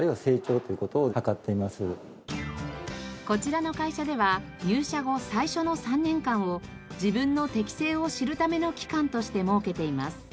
こちらの会社では入社後最初の３年間を自分の適性を知るための期間として設けています。